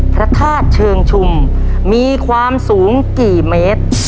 พระธาตุเชิงชุมมีความสูงกี่เมตร